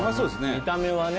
見た目はね